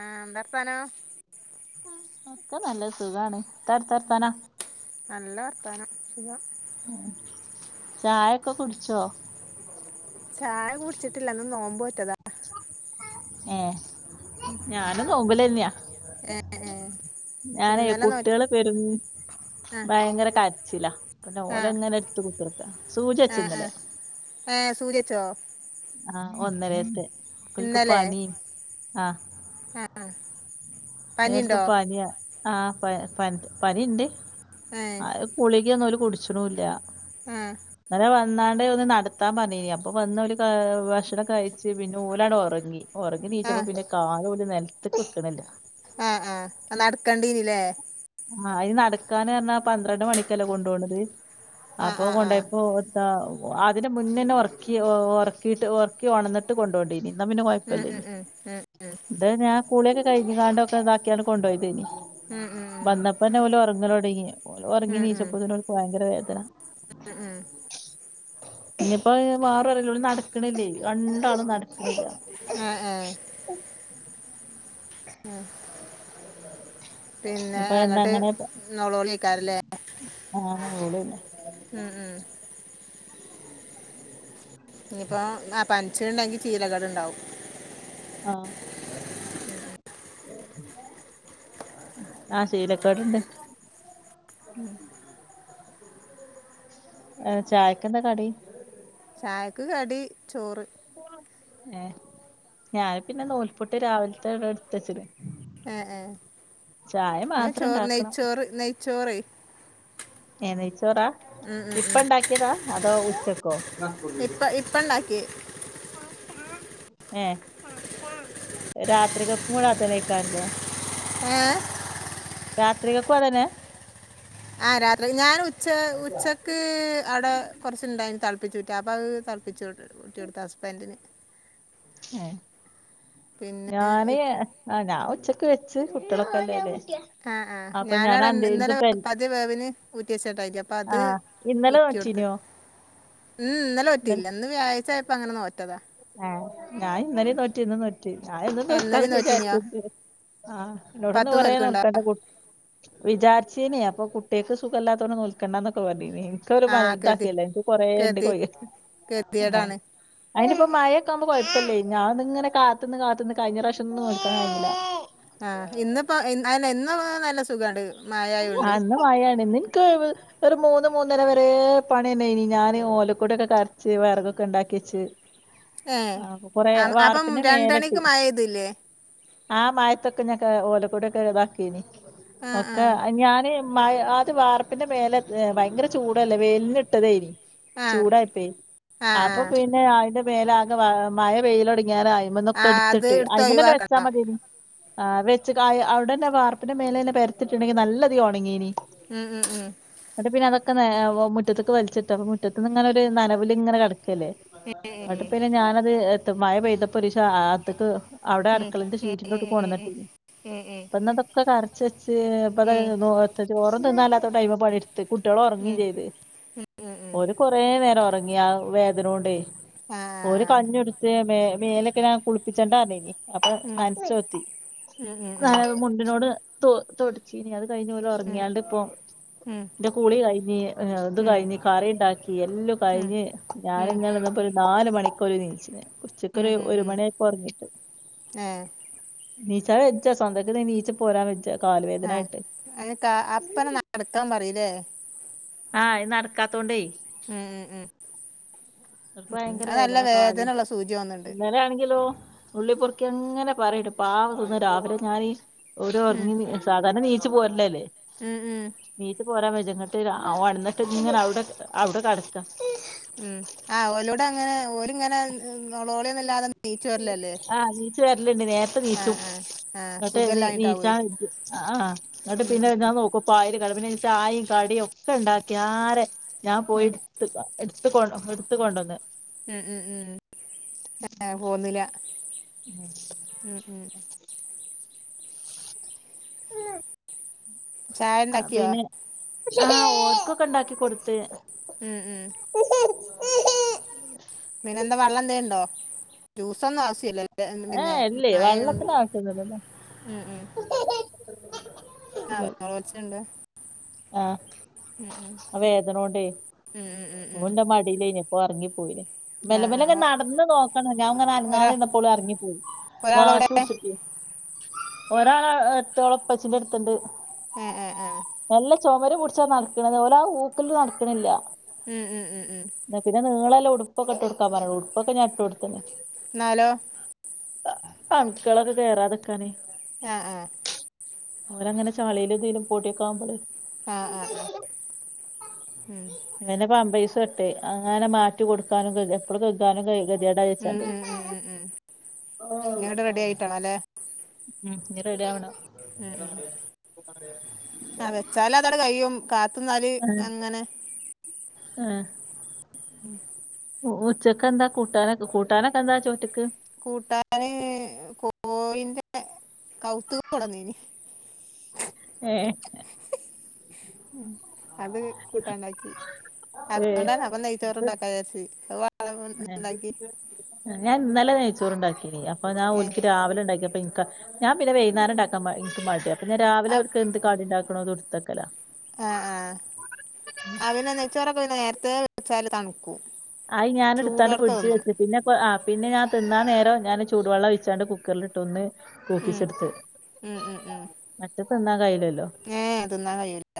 ആഹ് എന്താർത്താനം? ഒക്കെ നല്ലത്. സുഖാണ് എത്താ അവട്ത്തെ വർത്താനം? നല്ല വർത്താനം സുഖം. ഉം ചായൊക്കെ കുടിച്ചോ? ചായ കുടിച്ചിട്ടില്ല ഇന്ന് നോമ്പോറ്റതാ. ഏഹ് ഞാനും നോമ്പിലെന്ന്യാ. ഏഹ് ഏഹ് ഞാനെ ഇന്നലെ നോറ്റ് കുട്ട്യേള് പെരും ആഹ് ഭയങ്കര കരച്ചിലാ അപ്പപിന്നെ ആഹ് ഓലങ്ങനെ ഇട്ത്ത് കുത്തർക്കാ സൂച്യെച്ച് ആഹ് ഇന്നലെ. ആഹ് ഏഹ് സൂച്യെച്ചോ? ആഹ് ഒന്നരേത്തെ. ഓൽക്ക് ഇന്നലെ പനിയും ആ ആഹ് ആഹ്. ഓല്ക്ക് പനിയാ ആഹ് പ പ പനിണ്ട് ഏഹ് അത് ഗുളികൊന്നും ഓല് കുടിച്ചണുല്ല ആഹ് ഇന്നലെ വന്ന് വന്നാണ്ട് ഒന്ന് നടത്താൻ പറഞ്ഞിനിം അപ്പൊ വന്നോല് ക ഭക്ഷണക്കെ കഴിച്ച് പിന്നെ ഓലണ് ഒറങ്ങി ഉറങ്ങി ആഹ് നീച്ചപ്പം പിന്നെ കാലോല് നെലത്ത്ക്ക് വെക്കണില്ല ആഹ് ആഹ് നടക്കണ്ടീനിലേ ആഹ് അഹ് നടക്കാന് പറഞ്ഞാ പന്ത്രണ്ട് മണിക്കല്ലേ കൊണ്ടോവണത് ആഹ് അപ്പൊ ആഹ് ആഹ് കൊണ്ടോയപ്പോ എത്താ അതിന് മുന്നേ തന്നെ ഒർക്കി ഒർക്കിട്ട് ഒർക്കി ഉണർന്നിട്ട് കൊണ്ടോവണ്ടീനിം എന്നാ പിന്നെ ഉം ഉം കുഴപ്പല്ലേനി ഉം ഉം ഇത് ഞാൻ കുളിയൊക്കെ കഴിഞ്ഞ്ങ്ങാണ്ടൊക്കെ ഇതാക്കിയാണ്ട് കൊണ്ടോയതേനി ഉം ഉം ഉം വന്നപ്പത്തന്നെ ഓല് ഒറങ്ങലൊടങ്ങി ഓൽ ഒറങ്ങി ഉം നീച്ചപ്പത്തെന്നെ ഉം ഓൽക്ക് ഭയങ്കര വേദന ഉം ഉം [inaudible] ഇന്നിപ്പോ മാറോ അറീല്ല ഓല് നടക്കണില്ലേ രണ്ടാളും നടക്കണില്ല ഏഹ് ഏഹ് ആഹ് അപ്പൊ അങ്ങട്ട് ഇന്നങ്ങനെ ആക്കാ നൊളോളിയേക്കാരല്ലേ ആഹ് നൊലോളി തന്നെ ഉം ഉം ഇഞ്ഞിപ്പോ ആ പനിച്ചിണ്ടെങ്കി ചീലകേട്ണ്ടാവും ആഹ് ആഹ് ശീലക്കേട്ണ്ട് ഉം ഏഹ് ചായക്കെന്താ കടി? ചായക്ക് കടി ചോറ് ഏഹ് ഞാന് പിന്നെ നൂൽപ്പുട്ട് രാവിലത്തവിടെ എടുത്ത് വെച്ച്ണ് ഏഹ് ഏഹ് ഇന്ന് മാത്രം ചോറ് ഉണ്ടാക്കണം നെയ്ച്ചോറ് നെയ്ച്ചോറെ ഏഹ് നെയ്ച്ചോറാ ഇപ്പണ്ടാക്കിയതാ അതോ ഉച്ചക്കോ? ഇപ്പ ഇപ്പണ്ടാക്കിയെ റ്റാറ്റാ ഏഹ് രാത്രിക്കക്കൂടെ ആക്കാന് അയ്ക്കാരല്ലേ ഏഹ് രാത്രിക്കക്കും അതന്നെ ആഹ് രാത്രില് ഞാന് ഉച്ച ഉച്ചക്ക് അവ്ടെ കൊറച്ചുണ്ടായിന് തെളപ്പിച്ചൂറ്റാൻ അപ്പം അത് തെളപ്പിച്ചൂറ്റി കൊടുത്ത് ഹസ്ബൻ്റിന് ഏഹ് പിന്നെ ഞാന് ഇ- ആ ഞാൻ ഉച്ചക്ക് വെച്ച് കുട്ടികളൊക്കെ ഉള്ള അല്ലേ ആഹ് ആഹ് ഞാനവിടെ ഇന്ന് ഇന്നലെ പതി വേവിന് ഊറ്റി വെച്ച്ട്ടായ്നിം അപ്പം അത് ആഹ് ഇന്നലെ ഊറ്റി കൊടുത്ത് നോറ്റീനോ ഉം ഇന്നലെ നോറ്റീല്ല ഇന്ന് വ്യാഴാഴ്ച ആയപ്പം അങ്ങനെ നോറ്റതാ ഏഹ് ഞാൻ ഇന്നലെയും നോറ്റ് ഇന്നും നോറ്റ് ഞാൻ എന്നും എന്നാലും നോൽക്കാന്നൊക്കെ നോറ്റിനിയോ വിചാരിച്ച്ണ്ട് ആഹ് എന്നോട് ഇന്ന് പത്ത് കൊറേ നോൽക്കുണ്ടോ നോൽക്കണ്ട കുട്ട് വിചാരിച്ചീനിം അപ്പം കുട്ട്യാക്ക് സുഖം ഇല്ലാത്തോണ്ട് നോൽക്കണ്ടാന്നൊക്കെ പറഞ്ഞീനിം ഒക്കെ ഓല് ആ കതി വൽതാക്കിയല്ലേ എനിക്ക് കൊറേ ഇണ്ട് കതി കൊയ്യാൻ ആഹ് കതിയേടാണ് അയിന് ഇപ്പം മഴെക്കെ ആവുമ്പം കൊഴപ്പല്ലേ ഞാൻ ഇത് ഇങ്ങനെ കാത്ത്ന്ന് കാത്ത്ന്ന് കഴിഞ്ഞ പ്രാവശ്യം ഒന്നും നോൽക്കാൻ കഴിഞ്ഞില്ല ആഹ് ഇന്നിപ്പം ഇൻ അല്ല ഇന്നും നല്ല സുഖണ്ട് മഴായോണ്ട് ആഹ് ഇന്ന് മയാണ് ഇന്നിൻക്ക് ഒരു മൂന്ന് മൂന്നര വരേ പണി തന്നായിനിം ഞാന് ഓലക്കൊടി ഒക്കെ കറച്ച് വിറകൊക്കെ ഉണ്ടാക്കി വെച്ച് ഏഹ് ആഹ് അപ്പൊ കൊറേ ആഹ് അപ്പം വാർപ്പിൻ്റെ രണ്ടണിക്ക് മേലെട്ട് മഴ പെയ്തില്ലേ ആ മയത്തൊക്കെ ഞക്ക് ഓലക്കൊടി ഒക്കെ ഇതാക്കേയ്നിം ആഹ് ആഹ് ഞാന് മയ ആത് വാർപ്പിന്റെ മേലെ ഭയങ്കര ചൂടല്ലേ വെയ്ൽന് ഇട്ടതയിനി ആഹ് ചൂടായിപ്പേ ആഹ് ആപ്പം ആഹ് പിന്നെ അയിന്റെ മേൽ ആകെ വ മഴ പെയ്യലൊടിങ്ങാനായി ഇമ്മൊതൊക്കെ ആഹ് അത് എടുത്തിട്ടേ എടുത്ത് അയ്മനന്നെ വെച്ചാ ഒഴിവാക്കണം മതിന് ആ വെച്ച് കായ് അവിടന്നെ വാർപ്പിന്റെ മേലെ തന്നെ പെരത്തിട്ടുണ്ടെങ്കി നല്ലതി ഒണങ്ങീന് ഉം ഉം ഉം എന്നിട്ട് പിന്നെ അതൊക്കെ ഏ ഓ മുറ്റത്ത്ക്ക് വലിച്ചിട്ട് അപ്പം മുറ്റത്ത് ഇങ്ങനൊര് നനവിലിങ്ങനെ കെടക്കല്ലേ [inaudible] എന്ന്ട്ട് പിന്നെ ഞാനത് മഴ പെയ്തപ്പൊ ഒരീസം ആത്ത്ക്ക് അവിടെ ഉം ഉം ഉം ഉം അടുക്കളെന്റെ ഉം ഉം ഉം ഉം ഉം ഷീറ്റിലോട്ട് കൊണ്ട് വന്നിട്ട് ഇപ്പം ഇന്നിതൊക്കെ കറച്ച് വെച്ച് ഇപ്പം ദേ ദോ ചോറും തിന്നാ ഇല്ലാത്തോട്ട് അയ്മെ പണി എട് ത്ത് കുട്ടികള് ഉം ഉം ഉം ഒറങ്ങെയും ചെയ്ത് ഉം ഓര് കൊറേ നേരം ഒറങ്ങിയ ആ വേദനോണ്ടേ ഓര് ആഹ് കഞ്ഞി കൊടുത്ത് മേ മേലെക്കെ ഞാൻ കുളിപ്പിച്ചണ്ടനങ്ങി അപ്പം ഉം തനച്ചോത്തി ഉം ഉം ഉം ഉം ഉം ഉം നനവ് മുണ്ടിനോട് തോ തൊടച്ചീനി അത് കഴിഞ്ഞ് ഓല് ഒറങ്ങിയാണ്ട് ഇപ്പൊ എന്റെ കുളി കഴിഞ്ഞ് ഇത് കഴിഞ്ഞ് കറി ഉണ്ടാക്കി എല്ലാം ഉം കഴിഞ്ഞ് ഉം ഉം ഞാനിങ്ങനെ ഇരുന്നപ്പഴ് നാല് മണിക്കോര് എണീച്ച്ണ് ഉച്ചക്കൊര് ഉം ഒര് ഉം മണിയായപ്പം ഒറങ്ങീട്ട് ഏഹ് നീച്ചാ വെച്ച സ്വന്തം ആയിട്ട് എനീച്ച പോരാ വെ ആഹ് എന്നിട്ട് അപ്പറം നടക്കാൻ പറയുല്ലേ ആഹ് ഇത് നടക്കാത്തോണ്ടേ ഉം ഉം അവർക്ക് ഉം, ഭയങ്കര അത് നല്ല വേദന കാല് വേദനയുള്ള സൂചി വന്നിണ്ട് ഇന്നലെ ആണെങ്കിലോ നുള്ളിപ്പൊറക്കി അങ്ങനെ പറയ്ട്ട പാവം തോന്നും രാവിലെ ഞാനീ ഓരോ ഉം, എർങ്ങിന് സാധാരണ എനീച്ച് പോരലല്ലേ ഉം ഉം എനീച് പോരാം വെച്ച് എന്നിട്ട് രാ ഒണന്നിട്ട് ഇങ്ങനെ അവിടെ അവിടെ കെടക്കാ ഉം ആ ഓലോട് അങ്ങനെ ഓലിങ്ങനെ നൊളോളിയൊന്നും ഇല്ലാതെ എനീച്ച് വരലല്ലേ ആഹ് നീച്ച് ആഹ് ആഹ് എന്നിട്ട് എനീ നീച്ചാൻ ആഹ് എന്നിട്ട് ഉം, പിന്നെ ഞാൻ നോക്കു പായല് കാണും പിന്നെ ചായയും കടിയും ഒക്കെ ഉണ്ടാക്കിയാരെ ഞാൻ പോയി ഉം, ട്ത്തില്ല എടുത്ത് കൊണ്ട എടുത്ത് കൊണ്ട്വന്ന് ഉം ഉം ഉം ഏ പോന്നില മ് മ് മ് ചായ ആ ഉണ്ടാക്കിയോ പിന്നെ ഓർക്കൊക്കെ ഇണ്ടാക്കി കൊടുത്ത് മ് മ് പിന്നെ എന്താ വള്ളം എന്തേണ്ടോ ജ്യൂസന്നും ആവസ്യല്ല പിന്നെ ഏഹ് ഇല്ലേ മഴായതോണ്ട് വെള്ളത്തിന് ആവശ്യൊന്നുല്ലല്ലോ മ് മ് ആ നൂറ് കോച്ണ്ട് ആ ആ വേദനോണ്ടേ ഉം, ഉം, ഉം, ഉം. ഓല് ഇന്റെ മടിയിലേന്യു ഇപ്പ ഒറങ്ങിപ്പോയിന് ആ മെല്ലെ ആ മെല്ലെ ങ്ങനെ ഒ- നടന്ന് നോക്കണം ഞാൻ അങ്ങനെ ഒരാ അനങ്ങാതെ ഇന്നപ്പോ അറങ്ങിപ്പോയി ഒരാളവിടെ വാസിടിച്ചിട്ട് ഒരാള് എത്തോളെ ഒളെ ഇപ്പച്ചിന്റെ അടുത്ണ്ട് ഏ എ ആ മെല്ലെ ചുമര് പുടിച്ചാ നടക്കണത് ഓലാ ഊക്ക്ന് നടക്കണില്ല ഉം ഉം ഉം ഉം പിന്ന നീളല്ലെ ഉട്പ്പൊക്കെ ഇട്ട് കൊടുക്കാ പർ ഞ്ഞ് ഉടുപ്പൊക്കെ ഞാൻ ഇട്ട് കൊടുത്ത് ന്നാ ലോ അണുക്കളൊക്കെ കേറാതെക്കാന് ആ ഹആഹ ഓല് അങ്ങനെ ചളിലു ഇതീലു പോടിയൊക്കെ ആവുമ്പള് ആഹ ആഹ ആഹ മ് പിന്നെ പമ്പൈസു ഇട്ട് അങ്ങനെ മാറ്റി കൊടുക്കാനും എപ്പളും കഴുകാനും കഴ് ട ഉം വച്ചല്ല ഉം ഉം ഉം ഉം ഇങ്ങട് റെഡി [unintelligible] ആയിട്ടാണോ അല്ലേ ഉം ഇനി റെഡിയാവണം മ് മ് ആഹ വെച്ചാല് അതടെ കയ്യും കാത്ത്ന്നാല് അങ്ങനെ ആഹ മ് ഉ ഉച്ചക്കെന്താ കൂട്ടാനൊക്കെ കൂട്ടാനൊക്കെ എന്താ ചോറ്റ്ക്ക് കൂട്ടാന് കോഴിന്റെ കൗത്ത് കൊടന്നീന് ഏഹ മ് അത് കൂട്ടാണ്ടാക്കി ഏഹ് അതുകൊണ്ടാണ് അപ്പ നെയ്ച്ചോറ് ഇണ്ടാക്കാ വിയാരിച്ച് അ വ എ ഹ ഞാൻ ഇന്നലെ നഴച്ചോറ്ണ്ടാക്കിനി അപ്പ ഞാൻ ഏഹ് ഒല്ക്ക് രാവിലെ ഇണ്ടാക്കിയപ്പോ ഇന്ക്കാ ഞാ പിന്നെ വൈകേരണ്ടാക്കാന് ഇന്ക്ക് മടിയ അപ്പ ഞാൻ രാവിലെ ആഹ് ഓല്ക്ക് എന്ത്‌ കടിണ്ടാക്കണതു ഇട്ത്തക്കലാ ആഹ ആഹ അഹ പിന്നെ നെയ്ച്ചോറൊക്കെ നേരത്തെ വെച്ചാല് തണുക്കൂ അയി ഞാൻ ഇട്ത്താണ്ട് ഫ്രിഡ്ജ് വെച്ച് പിന്നെപ്പ അഹ പിന്നെ ഞാ തിന്ന നേരം ഞാന് ചൂട് വള്ളം ഒഴിച്ചാണ്ട് കു ക്കറിലിട്ട് ഒന്ന് ഉം കൂക്കിച്ചെട്ത്ത് ഉം മറ്റത് തിന്നാ കയ്ലല്ലോ ഏഹ തിന്നാ കയ്യൂല്ല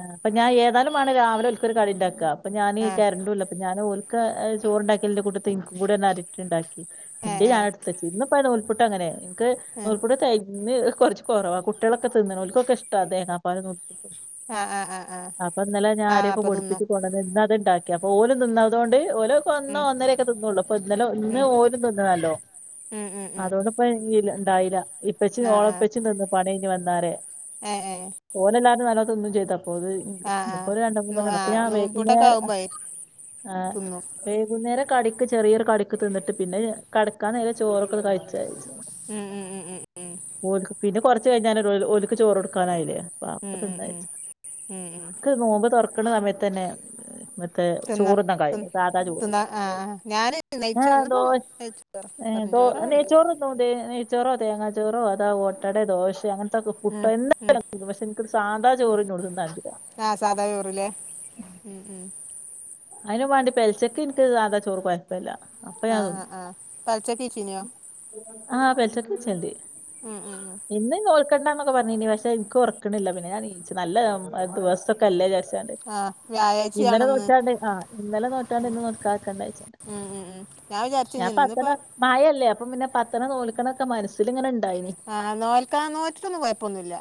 ആഹ അപ്പ ഞാ ഏതാലും വാണം രാവിലെ ഓല്ക്കൊരു കടി ഇണ്ടാക്ക അപ്പ ഞാനി ആഹ് കരണ്ടൂല്ല അപ്പ ഞാന് ഓല്ക്ക് ചോറണ്ടാക്കില് കൂട്ടത്തി ഇന്കൂടി കരക്റ്റ് ഇണ്ടാക്കി ആ ഇന്റെ ആ ഞാനട്ത്തച്ചീ ഇന്ന പ്പ നൂൽപുട്ടങ്ങനെ ഇന്ക്ക് നൂൽപുട്ട് തെയ് ഇന്ന്കൊർച്ച് കൊറവാ കുട്ടിയാളൊക്കെ തിന്ന്ണ് ഓല്ക്കൊക്കെ ഇഷ്ടാ തേങ്ങാപ്പാലും നൂൽപുട്ടും ആഹ ആഹ ആ ഹ അപ്പ ഇന്നലെ ഞാൻ അരിയൊക്കെ പൊടിപ്പിച്ച് കൊണ്ടന്ന് ഇന്ന അത് ഇണ്ടാക്കി അപ്പ ഓല് നിന്നാതോണ്ട് ഓലൊക്കെ ഒന്നോ ഉം ഒന്നരെ ക്കെ ക്കെ തിന്നള്ളു അപ്പ ഇന്നലെ ഇന്ന് ഉം ഓരും തിന്നുനല്ലോ ഉം ഉം ഉം അതോണ്ട് ഇപ്പ ഇണ്ടായില ഇപ്പച്ചി ആ ആ ഓളപ്പച്ചി ന്ന് പണിഞ് വന്നാരെ ഏ ഏ ഓലെല്ലാരും നല്ല തിന്നും ചെയ്തു അപോത് മ് ആ ആ ഇനിയിപ്പോ ഒരു രണ്ട് നോ മൂന്നണ്ണ്ട് ആ അപ്പ ഞാൻ നോമ്പൂട്ടൊക്കെ വൈകുന്നേരം ആകുമ്പോ ആഹ തിന്നും വൈകുന്നേരം കടിക്ക് ചെറിയൊരു കടിക്ക് തിന്നിട്ട് പിന്നെ കെടക്കാൻ നേരെ ചോറൊക്കെ കഴിച് ഉം ഉം ഉം ഉം ഓൽക്ക് പിന്നെ കൊറച്ച് കഴിഞ്ഞാലൊരു ഓൽക്ക് ചോറ് കൊടുക്കാനായില്ലേ അപ്പൊ ഉം ഉം തിന്നാ ഉം വിചാരിച്ച് ഉം ഉം ഇക്ക് നോമ്പ് തൊറക്കണ സമയതന്നെ ഇന്നത്തെ തിന്നാ ചോറൊന്നുകയുള്ളു തിന്ന സാധാ ചോറ് തിന്നാ ആ ആ ഞാൻ ന്ന നെയ്ച്ചോ ദോ ഇന്നിപ്പം നെയ്ച്ചോറ് ഏ വെറും ദോ ചോറല്ല നെയച്ചോറുണ്ടുതേ നെയ് ചോറോ തേങ്ങാ ചോറോ അതാ ഓട്ടടോ ദോശ്യാ അങ്ങനത്തെക്കെ പുട്ടോ ഉം ഉം എന്തായലും തിന്നും പക്ഷെ എനിക്കൊരു സാധാ ചോറിനോ തിന്നാൻ പറ്റൂല ആഹ് സാധാ ചോറില്ലേ ഉം ഉം അയിനും വാണ്ടി പെൽച്ചയ്ക്ക് ഇൻക്ക് സാധാ ചോറ് കൊഴപ്പല്യാ ആഹ് ആഹ് പെൽച്ചക്ക് നീച്ചീൻയോ? ആഹ് പെൽച്ചക്ക് നീച്ചണ്ട് ഉം ഉം ഉം ഇന്ന് നോൽക്കണ്ടന്നൊക്കെ പർഞ്ഞിനി പക്ഷെ ഇൻക്ക് ഒർക്ക്ണില്ല പിന്നെ ഞാൻ നീച്ച് നല്ല ദവസൊക്കെ അല്ലേ വിചാരിച്ചാണ്ട് ആഹ് ഇന്നലെ വ്യാഴാഴ്ചയാണ്ന്ന് നോറ്റാണ്ട് ആഹ് ഇന്നലെ നോറ്റാണ്ട് ഇന്ന് നോൽക്കാക്കണ്ടച്ചണ്ട്. ഉം ഉം ഉം വിചാരിച്ചു ഞാൻ ഇനി പതണ്ണ ഇന്നിപ്പം മയല്ലേ അപ്പം പിന്നെ പത്തണം നോൽക്കണൊക്കെ മനസ്സിലിങ്ങനെ ഇണ്ടായിനി ആഹ് നോൽക്കാൻ നോറ്റിട്ടൊന്നും കൊഴപ്പൊന്നുല്ല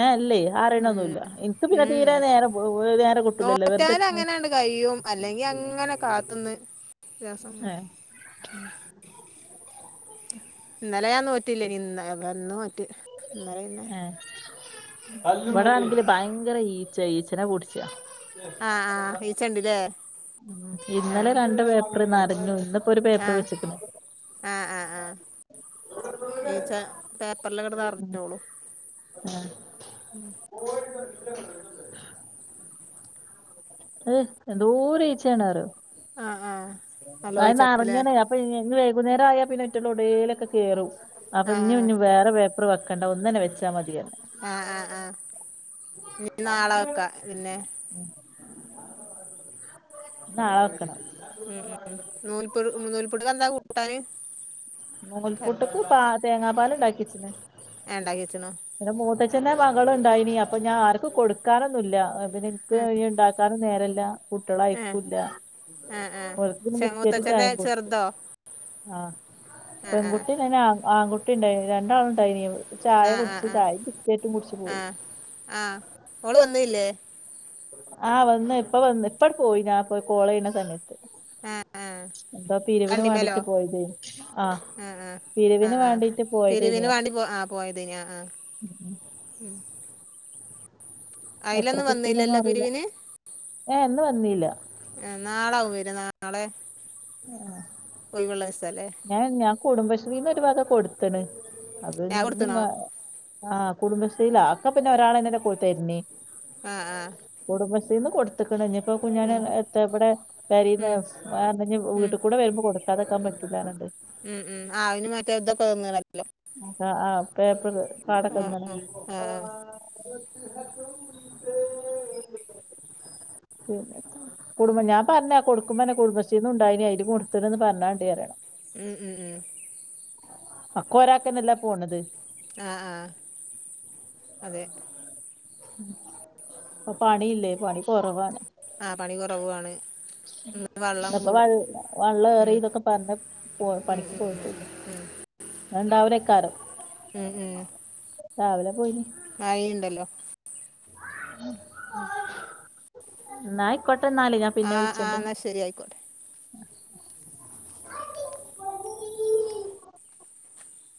ഏഹ് ഇല്ലേ അറിയണൊന്നുല്ല ഇൻക്ക് പിന്നെ തീരെ നേരം പോ നേരം കിട്ടൂല്ലല്ലോ വെറുതെ ന്നെ അങ്ങനാണ്ട് കഴിയും അല്ലെങ്കി അങ്ങനെ കാത്ത്ന്ന് ഏഹ് [unintelligible] ഉം ഇന്നലെ ഞാൻ നോറ്റില്ലനി ഇന്ന ഇന്ന് നോറ്റ് ഇന്നലെ പിന്നെ ഏഹ് ഇവിടാണെങ്കില് ഭയങ്കര ഈച്ച ഈച്ചനെ പുടിച്ച്യ ആഹ് ആഹ് ഈച്ചണ്ട്ല്ലേ ഉം ഇന്നലെ രണ്ട് പേപ്പർ നെറഞ്ഞു ഇന്ന്പ്പോ ഒരു പേപ്പർ ആഹ് വെച്ചക്കണ് ആഹ് ആഹ് ആഹ് ഈച്ച പേപ്പറിലങ്ങട് നറഞ്ഞോളും ഉം ഉം അഹ് എന്തോര് ഈച്ചയാണറിയോ ആഹ് ആഹ് നല്ലോ അത് ഈച്ചണ്ടല്ലേ നെറഞ്ഞണ് അപ്പൊ ഞ് ഞി വൈകുന്നേരം ആയാ പിന്നെ അയ്റ്റള് എവടലൊക്കെ കേറും അപ്പൊ ആഹ് ഇഞ്ഞും ആഹ് ഇഞ്ഞും വേറെ പേപ്പർ വെക്കണ്ട ഒന്നെന്നെ വെച്ചാ മതിറഞ്ഞു ആഹ് ആഹ് ആഹ് ഇനി നാളെ വെക്കാ പിന്നെ നാളെ വെക്കണം ഉം ഉം ഉം നൂൽപു നൂൽപുട്ടിനെന്താ കൂട്ടാന്? നൂൽപ്പുട്ട്ക്ക് പാ തേങ്ങാ പാല് ഇണ്ടാക്കിച്ചിണ് ഏഹ് ഇണ്ടാക്ക്യച്ച്ണോ പിന്നെ മൂത്തച്ഛന്റെ മകളുണ്ടായിന് അപ്പൊ ഞാൻ ആർക്കും കൊടുക്കാനൊന്നുല്ല അത് പിൻ ക്ക് ഏഹ് ഞി ഇണ്ടാക്കാനും നേരല്ല കുട്ട്യേള് ഏഹ് അയക്കൂല്ല ആഹ് ആഹ് ഓൽക്ക് പിന്നെ ചെ ബിസ്ക്കറ്റും മൂത്തച്ഛന്റെ ചായിം കൊടുത്ത് ചെറുതോ ആഹ് ആഹ് ആഹ് പെൺകുട്ടിണ്ടായിന് ആ ആൺകുട്ടി ഇണ്ടായിന് രണ്ടാളുണ്ടായിനീം ചായ ആഹ് കുടിച്ച് ആഹ് ആഹ് ചായ ബിസ്ക്കേറ്റും കുടിച്ചു പോയി ആഹ് ആഹ് ഓള് വന്നില്ലേ? ആഹ് വന്ന് ഇപ്പ വന്ന് ഇപ്പണ്ട് പോയി ഞാ പ്പോ കോള് ചെയണ സമയം ആഹ് ആഹ് എന്തോ പിരുവിന് വണ്ടിമേലോ വേണ്ടിട്ട് പോയതേനി. ആഹ് ആഹ് ആഹ് പിരിവിന് ആഹ് ആഹ് വേണ്ടിട്ട് പിരിവിന് പോയതേനിയർഞ്. വാണ്ടി ഉം ഉം ഉം എത്ര കിട്ടി എന്നൊന്നും വന്നില്ലല്ലോ അറിയില്ല പിരിവിന് ഏ ഇന്ന് വന്നില്ല ഏഹ് നാളെ ആവും വര നാളെ ഒയിവുള്ള ദിവസല്ലേ ഞ ഞാൻ കുടുംബശ്രീന്ന് ഒരുവക കൊടുത്ണ് അത് ബാഗ് ഇഞ്ഞും കൊടുത്ത്ണോ വ ആഹ് കുടുംബശ്രീലാ അഒക്കെ പിന്നെ ഒരാളെന്നെ കൊ തര്ന് ആഹ് ആഹ് കുടുംബശ്രീന്ന് കൊടുത്ത്ക്ക്ണ് ഇനി ഇപ്പോ കുഞ്ഞാൻ ഉം എത്ത ഇബടെ പെരീന്ന് ഉം വാങ്ങന്നെ ഉം വീട്ട് കൂടെ വരുമ്പോ കൊടുക്കാതക്കാൻ പറ്റൂല്ലാർഞ്ഞ്ട്ട് ഉം ഉം ആഹ് അയിന് മറ്റേ ഇതൊക്കെ ഇങ്ങനെല്ലോ ആഹ് ആഹ് പേപ്പറ് പാടൊക്കെ ആഹ് വന്ന്ണ് ആഹ് ആഹ് ആഹ് [unintelligible] കുടുംബം ഞാൻ പറഞ്ഞ് കൊടുക്കുമ്മേന്നെ കുടുംബശ്രീന്ന് ഉണ്ടായിനി അയില് കൊടുത്തണ്ന്ന് പറഞ്ഞാണ്ടി അർയാ ഉം ഉം ഉം ഒക്കൊരാക്കന്നല്ലേ പോണത് ആഹ് ആഹ് അതെ ഇപ്പ പണി ഇല്ലേ പണി കൊറവാണ് ആഹ് പണി കൊറവു ആണ് ഇന്ന്പ്പോ വൾ വെള്ളം ഉം ഏറിന്നൊക്കെ പറഞ്ഞ് പോ ഉം പണിക്ക് ഉം ഉം പോയിട്ടൂല്ല ന്ന് ണ്ടാവുലേക്കാരം ഉം ഉം രാവിലെ പോയിനി മഴിം ഇണ്ടല്ലോ ഉം ഉം ഇന്നാ ആയിക്കോട്ടെന്നാൽ ഞാ ആഹ് ആഹ് ന്നാ ശരി അയിക്കോട്ടെ